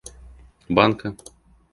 банка